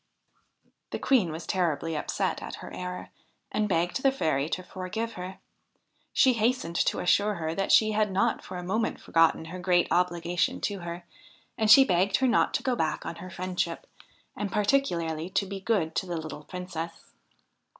The Queen was terribly upset at her error, and begged the Fairy to forgive her. She hastened to assure her that she had not for a moment forgotten her great obligation to her ; and she begged her not to go back on her friendship, and particularly to be good to the little Princess.